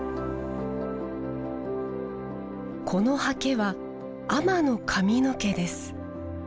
このハケは海女の髪の毛です。